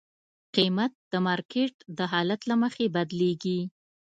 قیمت د مارکیټ د حالت له مخې بدلېږي.